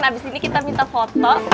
nah abis ini kita minta foto